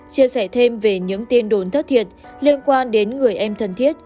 chia sẻ thêm về những tin đồn thất thiệt liên quan đến người em thân thiết